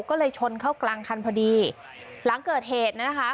ก็เลยชนเข้ากลางคันพอดีหลังเกิดเหตุนะคะ